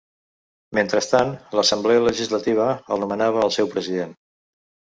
Mentrestant l'Assemblea Legislativa el nomenava el seu President.